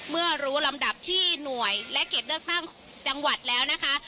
เมื่อรู้ลำดับที่หน่วยและเก็บเลือกตั้งจังหวัดแล้วนะคะ